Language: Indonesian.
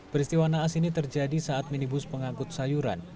peristiwa naas ini terjadi saat minibus pengangkut sayuran